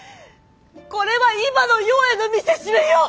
これは今の世への見せしめよ。